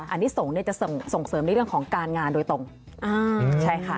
อันนี้จะส่งเสริมในเรื่องของการงานโดยตรงใช่ค่ะ